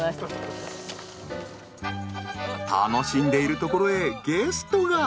楽しんでいるところへゲストが。